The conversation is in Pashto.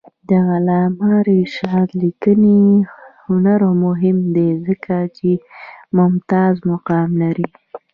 د علامه رشاد لیکنی هنر مهم دی ځکه چې ممتاز مقام لري.